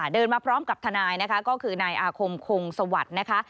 เดินมาพร้อมกับทนายก็คือนายอาคมคงสวัสดิ์